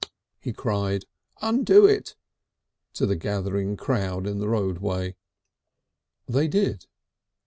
"(Kik)," he cried, "undo it!" to the gathering crowd in the roadway. They did.